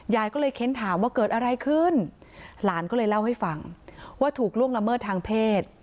ยายก็เลยเค้นถามว่าเกิดอะไรขึ้นหลานก็เลยเล่าให้ฟังว่าถูกล่วงละเมิดทางเพศ